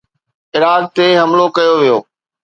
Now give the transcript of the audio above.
Iraq تي حملو ڪيو ويو.